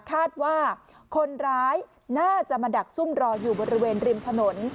คาดว่าคนร้ายน่าจะมาดักซุ่มรออยู่บริเวณริมถนน